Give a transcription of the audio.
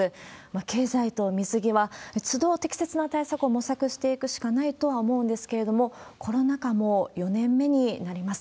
経済と水際、つど適切な対策を模索していくしかないとは思うんですけれども、コロナ禍も４年目になります。